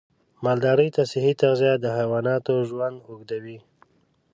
مالدارۍ ته صحي تغذیه د حیواناتو ژوند اوږدوي.